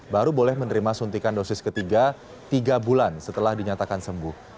baru boleh menerima suntikan dosis ketiga tiga bulan setelah dinyatakan sembuh